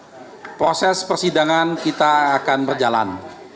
sampai saat proses persidangan kita akan berjalan